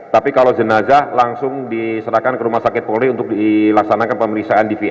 tapi kalau jenazah langsung diserahkan ke rumah sakit polri untuk dilaksanakan pemeriksaan dvr